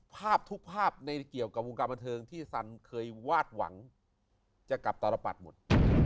ภาพทุกภาพในเกี่ยวกับวงการบันเทิงที่ซันเคยวาดหวังจะกลับตลปัดหมด